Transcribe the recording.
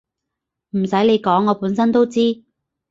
唔洗你講我本身都知